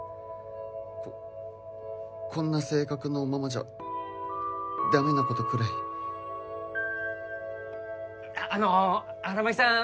ここんな性格のままじゃダメなことくらいあの荒牧さん